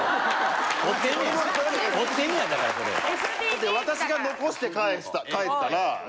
だって私が残して帰ったら。